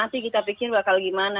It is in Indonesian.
jadi kita pikir bakal gimana